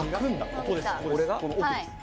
ここです